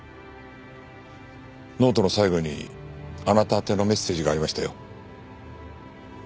ノートの最後にあなた宛てのメッセージがありましたよ。